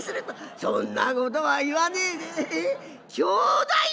「そんなことは言わねえでええ兄弟分」。